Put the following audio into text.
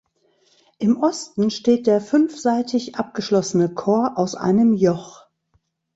Im Osten steht der fünfseitig abgeschlossene Chor aus einem Joch.